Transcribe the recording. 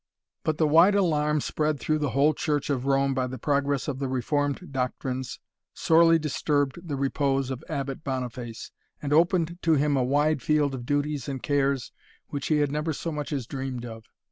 But the wide alarm spread through the whole Church of Rome by the progress of the reformed doctrines, sorely disturbed the repose of Abbot Boniface, and opened to him a wide field of duties and cares which he had never so much as dreamed of.